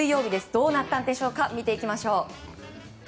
どうなったんでしょうか見ていきましょう。